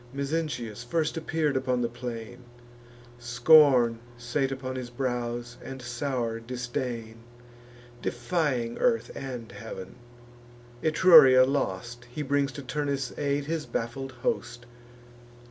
Mezentius first appear'd upon the plain: Scorn sate upon his brows, and sour disdain, Defying earth and heav'n. Etruria lost, He brings to Turnus' aid his baffled host.